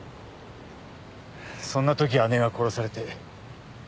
そんなとき姉が殺されて。